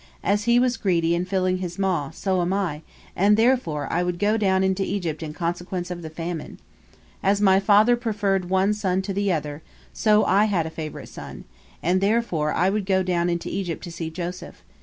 As he was greedy in filling his maw, so am I, and therefore I would go down into Egypt in consequence of the famine. As my father preferred one son to the other, so had I a favorite son, and therefore I would go down into Egypt to see Joseph.